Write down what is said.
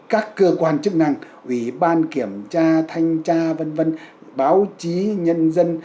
các cơ quan chức năng ủy ban kiểm tra thanh tra báo chí nhân dân